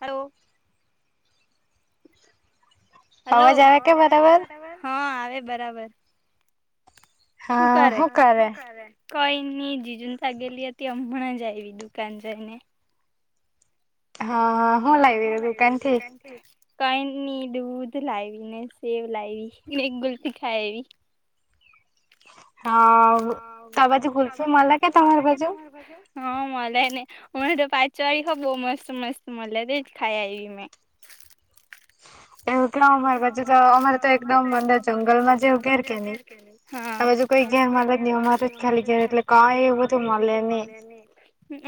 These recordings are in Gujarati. હલો હલો, અવાજ આવે કે બરાબર, હા આવે બરાબર હુકરે, હુકરે કઈ ની જીજુ તાગેલી હતી હમણાં જ આવી દુકાન જઈને હા, હું લાઈવી દુકાન થી [inaudible] કઈની દૂધ લાઈવી ને સેવ લાઈવી ને [inaudible] ખાયવી હાઉ, તો બાજુ ગુલ્ફી મલે કે તમાર બાજુ હા, મલેને હું એ પાંચવાળી હો બો મસ્ત મસ્ત મલે દે ખાઈઆવી મે એવું કે અમાર બાજુ તો અમારે તો એકદમ અંદર જંગલમાં જેવું ધેર કે ની હા આ બાજુ કઈ ધેર મલેજ ની અમાર જ ખાલી ધેર એટલે કઈ એવું બધું મલે ની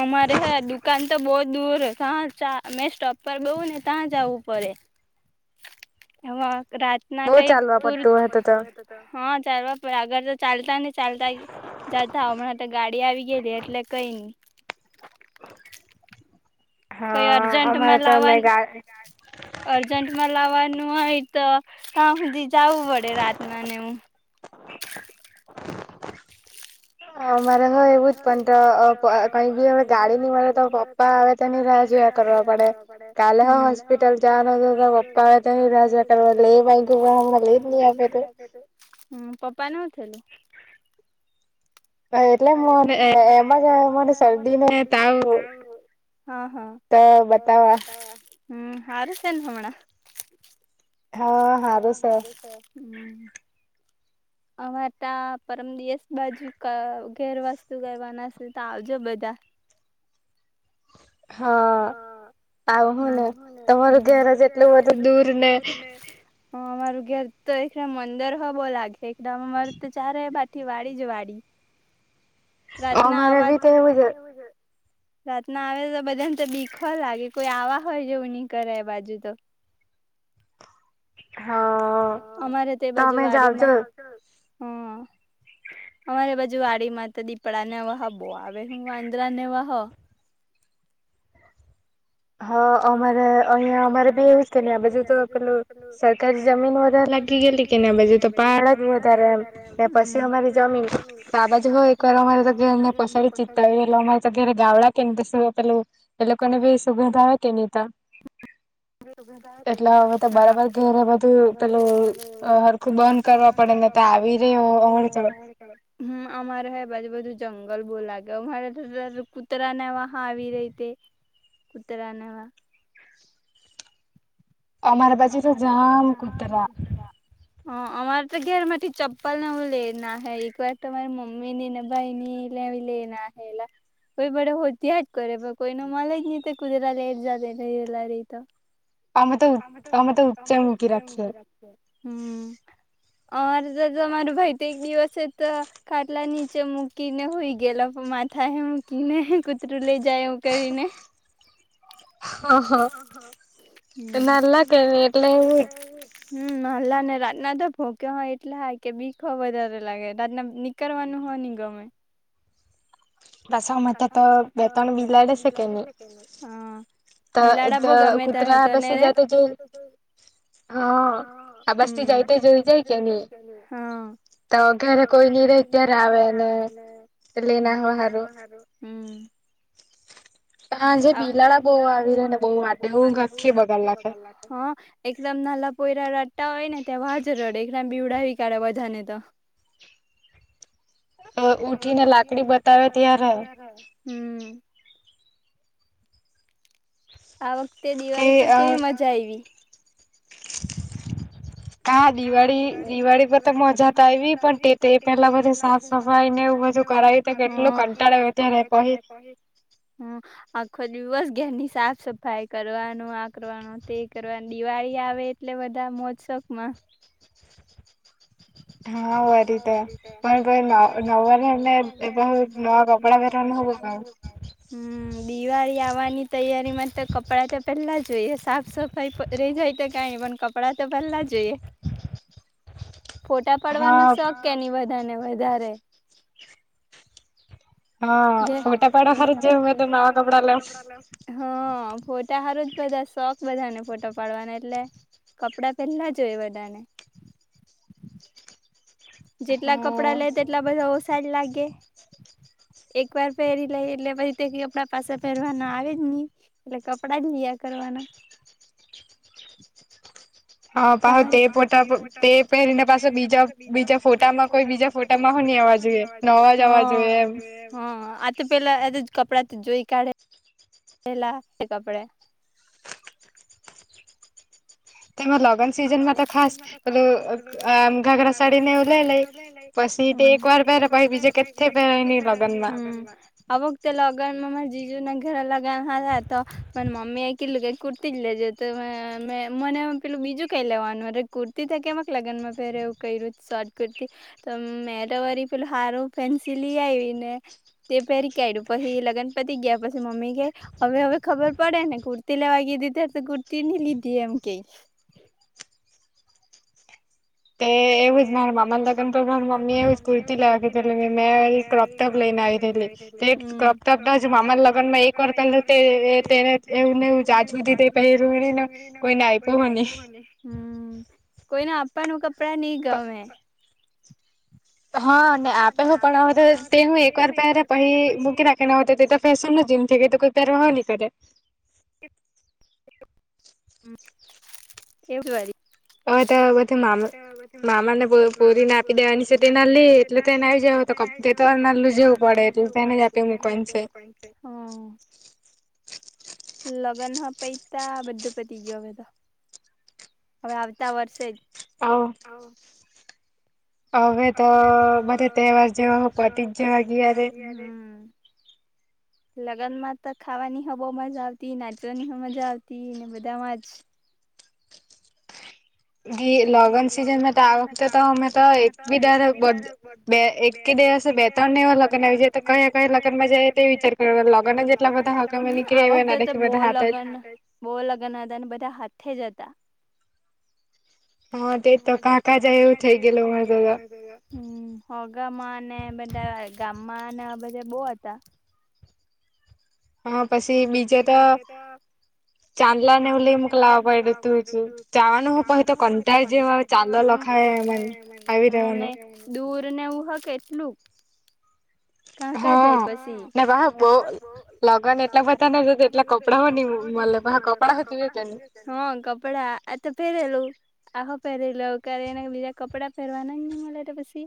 અમારે હે દુકાન તો બોવ દૂર તા ચા મેં સ્ટોપ પર બોવ ને તાં જાવું પડે હ, રાત ના કઈ પૂર, હા ચાલવા અગર તો ચાલતા ને ચાલતા, હમણા ગાડી આવી ગેલી એટલે કઈ ની કઈ અર્જન્ટમાં લાવવા અર્જન્ટ માં લાવવાનું હોય તો ત્યાં સુધી જું પડે રાતમાં નેવું અમારે હો એવું જ પણ કઈ બી અવે ગાડી ની મળે તો પ [inaudible] [inaudible] હમ પપ્પા ને હું થયેલું એટલે મને એમાં જ મને શરદી ને તાવ હા હા હમ હારું છે હમણા હા હારું છે હમ અમારે તા પરમ દિવસ બાજુ ઘેરવસ્તુ કવાના છે તો આવજો બધા હા આવહુંને તમારું ઘેરજ એટલું બધું દૂર ને અમારું ઘેર તો એક મંદર હો બહો લાગે એક અમારે તો ચારે બાઠી વાડી જ વાડી રાતના અવાજ રાતના આવે તો બધાને તો બિખો લાગે કોઈ આવા હોય જેવું નહીં કરે એ બાજુ તો તમે જ આવજો અમારે બાજુ વાડી માતા દીપડા ને વાહ બો આવે હું વાંદરા ને હો. હા અમારે અહિયાં અમારે ભી એવું જ કે ને આ બધુ તો પેલું સરકારી જમીન વધારે લાગી ગેલી કે ના બજે તો પહાડ જ વધારે એમ પછી અમારી જમીન તો આ બાજુ હો એક વાર અમારે તો ઘેર ના પાસાડિ ચિતો આવી રેલો અમા તો ઘરે ગાવડા કે પેલું એ લોકોને બી સુગધ આવે કેની તો. [inaudible] હા [inaudible] બંધ કરવા પડેને તો આવી રેય હમ અમારે હે બાજુ બધું જંગલ બો લાગે અમારે કૂતરાને વા આવી રેય તે. કુતરા ને એેવા અમાર બાજુ તો જામ કુતરા. હ અમારે તો ઘેર માંથી ચપ્પલ ને એવું લે નાહે એક વાર તો અરી મમ્મી નીને ભાઈ ની ને એવી લેય નાહેલા કોઈ બધાં હોધ્યાં જ કરે પણ કોઈ ને મળે જ ની તૅ કુતરા લેટ જલા રરેય તો અમે તો અમે તો ઉચ્ચે મૂકી રાખીએ. હમ અ મારે ભાઈ તો એક દિવસ સે, તો ખાટલા નીચે મૂકીને હોઈ ગયેલા માથા એ મૂકીને કૂતરું લઇ જાય એવું કરીને. હ -હ નાલો કે એટલે એવુજ હમ નલા ને રાતના તો ભોકે એટલા કે બીક હો વધારે લાગે રાતના ની કરવાનું હો ની ગમે. પસા અમરતા તો બે ત્રણ બિલાડે શે કે ની. હમ ત-ત કુતરા બસી જાય તો જો હા આબાજ થી જાય તો જોઈ જાય કે ની તો ઘરે કોઈ નઈ રે ત્યારે આવે ને એ લઈ ના હો સારું. હમ સાજે બિલાડા બો આવી રે ને બો આડે ઊંગ આખી બગાડ લાખે હા એકદમ નાલા પોયરા રડતા હોય ને તેવાવા જ રડે. ને બીવડવી કાઢે બધાં ને તો. અ ઊઠી ને લાકડી બતાવે ત્યારે. હમ આ વખતે દિવાળી પર કેવી મજા આયવી? કા દિવાળી-દિવાળી પર તો મજા તો આવી પણ તે પેલા બધું સાફ સફાઈ ને એવું બધું. હા કનટલો આયવો પહી હા આખો દિવસ ઘેરની સાફ સફાઈ કરવાનું આ કરવાનો તે કરવાનું દિવાળી આવે એટલે બધા મોજશોક માં હા વરી તો પણ પહુ નવરે ને પહુ નવા ક કપડાં પેરવનું હ બો ગમે. હમ્મ દિવાળી આવવાની તૈયારી માં તો કપડાં તો પેલા જ જોઈએ સાફ સફાઈ રેય જાય તો કઈ ન પણ કપડાં તો પેલા જોઈએ. [inaudible] ફોટા પાડવાનો શોખ કે ન બધા ને વધારે હા ફોટા પડવા સારુ મેતો નવા કપડાં લેમ હ ફોટા સારું જ બધા શોખ બધાને ફોટા પાડવાના એટલે કપડાં પહેલા જો હોય બધા ને જેટલા કપડા લે તેટલા બધા ઓસા જ લાગે એક વાર પહેરી લે એટલે પછી તે કપડા પાસે પહેરવા ના આવે જ ની એટલે કપડા જ લીયા કરવાના હા પ તે ફોટા તે પહેરીને પાસે બીજા-બીજા ફોટામાં કોઈ બીજા ફોટામાંહ ન અવા જોઈએ નવાજ આવવા જોઈએ એમ હ આતો પેલા એજ જ કપડાં જોઈ કાઢે કેેલા એક કપડા તેમાં લગન સિઝનમાં તો ખાસ પેલું આ ઘાગરા સાડીને એવું લે લઈ પછી તે એક વાર પેરે પહી બીજે કેથે પેરઈ નઈ લગ્ન માં આ વખતે લગનમાં જીજુના ઘરે લગન હતા તો પણ મમ્મીએ કેટલું કઈક કુર્તી જ લેજે તો મે મને પેલું બીજું કઈ લેવાનું અરે કુર્તી ત કેમક લગનમાં પેરે એવું ક્યું શર્ટ કુર્તી મેં તો વરી પેલું સારું પેન્સિલ આવી ને તે પેરી કડ્યું પછી લગનપતિ ગયા પછી મમ્મી કે હવે હવે ખબર પડે ને કુર્તી લેવા ગીધી ત તો કુર્તી ની લીધી એમ કઈ તે એવું જ મારા મામાને લગન મારી મમ્મ એવું જ કુર્તી લેવા કીધેલી કે મેં એ ક્રોપટોપ લઈને હાતીલી ગપ તપતા જ મામા લગનમાં એક વાર પેલું તેને એવુંને એું જા જવું દીધી પ રણી ના કોઈ ને નાઈપ હોની હમ્મ કોઈ ના આપાનું કપડા નહી ગમે હા ને આપે હું પણ તે હું એક વાર પ કહી મૂકી રાખ એના તે તો ફશન ને જીમ થ ગ તો કોઈ પવાહ ન કરે એમ કે વારી હ તો બધી મામા મામાને પૂરીને આપી દેવાની છે તેના લે એટલે તોને આવી જ તો કપ તો નલું જેવું પડે એટલ તેને જ આપી મૂકવાનું છે. હમ્મ લગન હ પૈ ત બધું પતિ ગયોવે તો હવે આવતા વર્ષે જ [unintelligible] આઓ હવે તો બરે તહેવાર જે પ્રતિજવા હમ્મ [inaudible] લગ્ન માં તો ખાવાની બહ મજા આવતી નાચવાની મજા આવતી ને બધામાં જ ગ લગન સીઝનમાં તો આતે તો હમે તો એક બી દારા બઘ બે એક કે દેવાસે બે ત્રણ ને એવા લગ્ન આવી જાય તો કયા કયા લગ્નમાં જાય એ તે વિચાર કર લગ્ન જ આ વખતે તો બો લગ્ન બો લગ્ન હતા અને બધા હાથે જ હતા હા તે તો કાકા જાય એવું થઈ ગેલુ અમારા જોડે હમ્મ હોગામાં અને બધા ગામમાં બધા બો હતા. હ પછી બીજે તો ચાંદલાનેવ લેમ મુંક લાભ પ દે તું છ ચાવાનું હું પહી તો કતા જેવય [unintelligible] દૂર નેવું હ કેટલું હા ને ભા બહ લગ્ન એટલા બધા ના જતા એટલા કપડાંઓ નહ મતલબ હા કપલા હાચવી ને જજે હા કપડા આ તો પહેરેલું આહો પહેરે લઉ કે એને બીજા કપડાં પહેરવાના ને મળે તો પછી.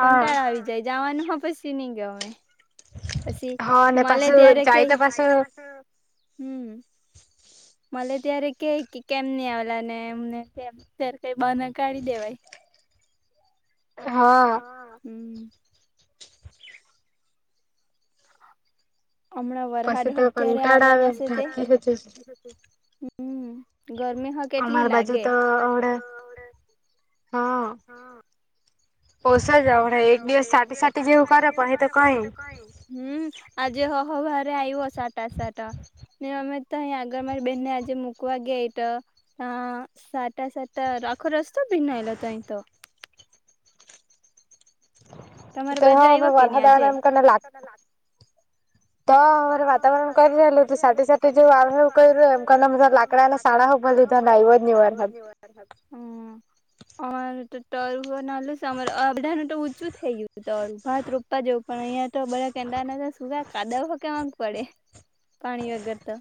કંટાળા આવી જાય જવાનું હો પછી નઈ ગમે. પછી મળે ત્યારે કે હમ્મ. મને ત્યારે કે કે કેમ નહી આવેલા ને એમને ત્યારે કઈ બહાના કાઢી દેવાય. હા હમ્મ. હમણાં વરહાદ હો ક્યારે આવાના શે તે. હમ્મ ગરમી હો અમાર બાજુ તો આવડે હું. પોસ જ આવડે એક દિવસ [unintelligible] જેવું કરે પાહિ તો કંઈ નહીં. હમ્મ આજે હો સવારે આઈવ સાટા સાટા. ને અમે તો અહી આગળ મારી બેનને આજે મૂકવા ગયા એ તો હા સાટા સાટા આખો રસ્તો ભીન્નેલો તોહી તો. તો હવે વરસાદ આવેલો એમ કરીને લાગ તો આવરે વાતાવરણ કઈ રહેયલું હતું સાતે સાતે [unintelligible] એમ કરીને બધા લાકડાના [unintelligible] ભાર લીધા નઈ આવ્યો નહીં વરસાદ. વરહાદ હમ્મ. અમારું તો તરું નાળું છે અમર આ બધાનું તો ઊંચું થઇ ગયું તરું ભાત રો [unintelligible] જઉ પણ અહંયા તો બધા કેડા સુગ કાદવ [unintelligible] પડે પાણી વગર તો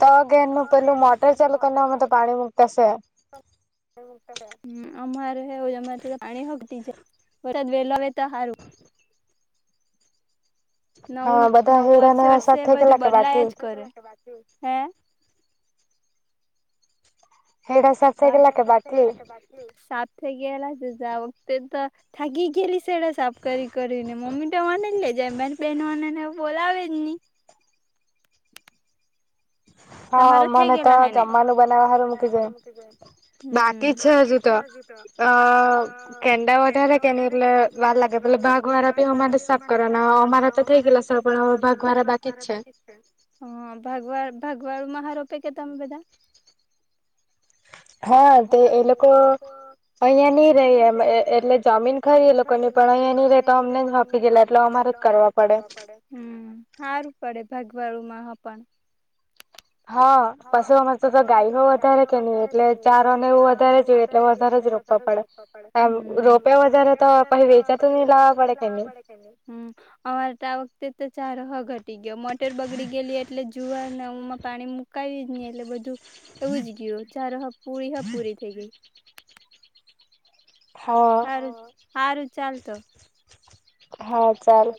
તો ઘેર નું પેલું મોટર ચાલુ કર ના [unintelligible] પાણી મુક્તાશે. [unintelligible] હમ્મ અમારે એવું અમાર તો પાણી હો ગટી જાય વરસાદ વેલો અવે તો હારુ. નવ નવું વર્ષે વર્ષે બધું બદલાયા જ કરે હે. [unintelligible] [unintelligible] સાથ થઈ ગયેલા છે જ યુકે તો થાગી ગયેલી સેડા સાફ કરી કરી ને મમ્મી તો મનેને લેજાય બહેનોનેને બોલાવે જ નહી. હા મને તો જમાનું બનાવવા હારુ મુૂકી દે. બાકી છે હજુ તો અ કેંડા વધારે કે ન એટલે વાર લાગે પલે ભાગ વાળા ભી અમારે સાફ કરવાના અમારા તો થઇ ગયેલા સાવે ભગ વાળા બાકી જ છે. હ ભગવા ભગવાડું મહારોપે કે તમે બધા. હા તે એ લોકો અહિયાં નહી રેએ એમ એટલે જમીન ખરીએ લોકો ની પણ અહીયાં ની રે તો અમને જ સોંપી ગયેલા એટલે અમારે જ કરવા. કરવા પડે હમ્મ સારું પડે ભાગવાડુંમાં પણ. હા પશું મ તો ગાય નો વધારે છે નહી એટલે ચારો ને એવું વધારે છે એટલે વધારે જ રો તો પણ હમ્મ આમ રોપિયા વધારે તો [unintelligible] વેચાતું ની લવ પડે કે ની. [inaudible] અમાર તો આ વખતે તો ચારો હ ઘટી ગયો મોટર બગડી ગયેલી એટલે જુવારને ઉમાં પાણી મુક કવીઝ જ નહી એટલે બધું એવું જ ગયું જારો હ પૂરી હ પૂરી થઈ ગઈ. હા. હારુ ચાલતો. હા ચાલ.